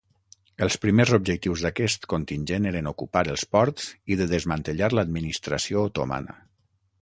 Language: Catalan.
Els primers objectius d'aquest contingent eren ocupar els ports i de desmantellar l'administració otomana.